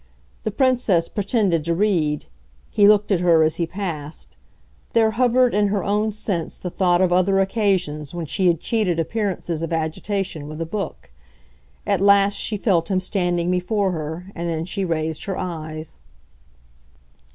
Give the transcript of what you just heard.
The Princess pretended to read; he looked at her as he passed; there hovered in her own sense the thought of other occasions when she had cheated appearances of agitation with a book. At last she felt him standing before her, and then she raised her eyes.